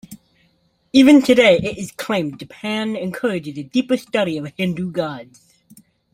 Even today, it is claimed Japan encourages a deeper study of Hindu gods.